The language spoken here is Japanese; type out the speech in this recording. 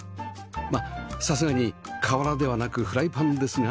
まあさすがに瓦ではなくフライパンですが